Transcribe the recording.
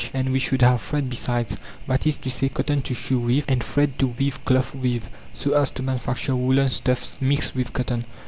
And we should have thread besides; that is to say, cotton to sew with, and thread to weave cloth with, so as to manufacture woolen stuffs mixed with cotton.